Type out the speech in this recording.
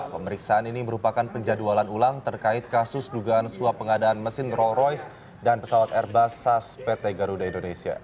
pemeriksaan ini merupakan penjadwalan ulang terkait kasus dugaan suap pengadaan mesin roll royce dan pesawat airbus sas pt garuda indonesia